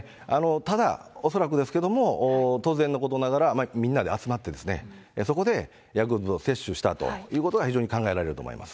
ただ、恐らくですけども、当然のことながら、みんなで集まってですね、そこで薬物を摂取したということが、非常に考えられると思います。